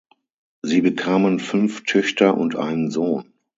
Sie bekamen fünf Töchter und einen Sohn.